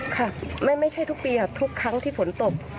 ค่ะไม่ใช่ทุกปีค่ะทุกครั้งที่ฝนตก